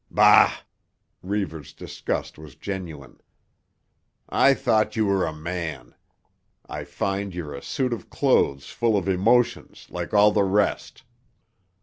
"Bah!" Reivers' disgust was genuine. "I thought you were a man; I find you're a suit of clothes full of emotions, like all the rest!"